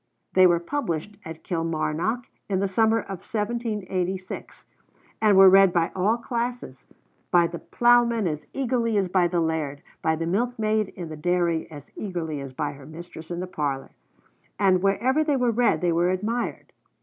They were published at Kilmarnock in the summer of 1786, and were read by all classes, by the plowman as eagerly as by the laird, by the milkmaid in the dairy as eagerly as by her mistress in the parlor, and wherever they were read they were admired.